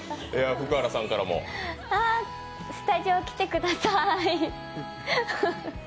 スタジオ来てください。